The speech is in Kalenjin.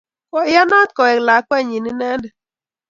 Koiyanat kowek lakwennyi inendet.